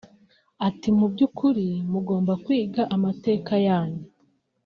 Ati “Mu by’ukuri mugomba kwiga amateka yanyu